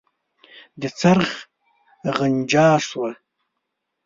د څرخ غنجا شوه.